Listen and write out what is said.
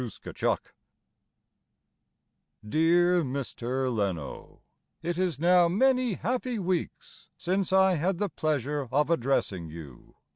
TO DAN LENO Dear Mr. Leno, It is now many happy weeks Since I had the pleasure of addressing you.